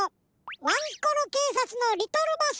ワンコロけいさつのリトルボス！